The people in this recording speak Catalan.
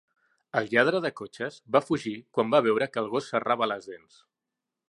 El lladre de cotxes va fugir quan va veure que el gos serrava les dents.